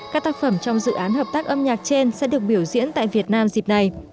các tác phẩm trong dự án hợp tác âm nhạc trên sẽ được biểu diễn tại việt nam dịp này